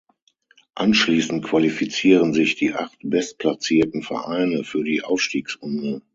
Anschließend qualifizieren sich die acht bestplatzierten Vereine für die Aufstiegsrunde.